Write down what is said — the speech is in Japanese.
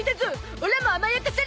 オラも甘やかされたい！